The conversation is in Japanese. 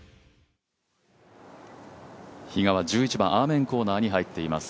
比嘉は１１番アーメンコーナーに入っています。